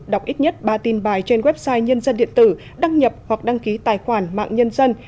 đọc ít nhất ba tin bài trên website nhân dân điện tử đăng nhập hoặc đăng ký tài khoản mạng nhân dân